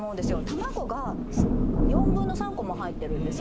卵が４分の３個も入ってるんです